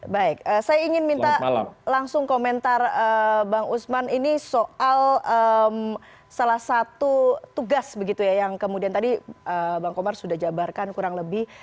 baik saya ingin minta langsung komentar bang usman ini soal salah satu tugas begitu ya yang kemudian tadi bang komar sudah jabarkan kurang lebih